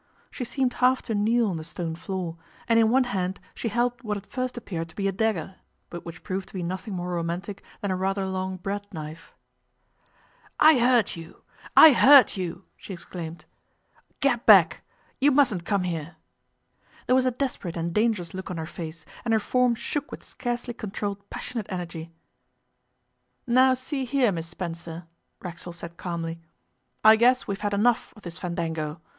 She seemed half to kneel on the stone floor, and in one hand she held what at first appeared to be a dagger, but which proved to be nothing more romantic than a rather long bread knife. 'I heard you, I heard you,' she exclaimed. 'Get back; you mustn't come here.' There was a desperate and dangerous look on her face, and her form shook with scarcely controlled passionate energy. 'Now see here, Miss Spencer,' Racksole said calmly, 'I guess we've had enough of this fandango.